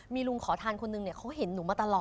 มีลุงขอทานคนนึงเขาเห็นหนูมาตลอด